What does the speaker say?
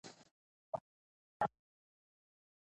که هغه مرسته ونکړي، ستونزه به ډېره شي.